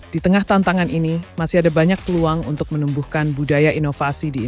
di tengah tantangan ini masih ada banyak peluang untuk menumbuhkan budaya inovasi di indonesia